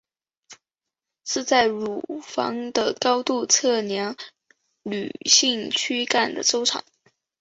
是在乳房的高度测量女性躯干的周长。